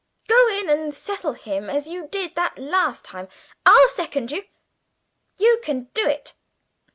"Go in and settle him as you did that last time. I'll second you. You can do it!"